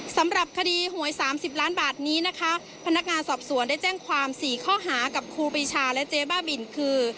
สำหรับคดีหวย๓๐ล้านบาทนี้นะคะพนักงานสอบสวนได้แจ้งความ๔ข้อหากับครูปีชาและเจ๊บ้าบินคือ